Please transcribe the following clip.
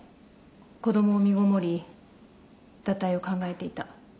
子供を身ごもり堕胎を考えていた。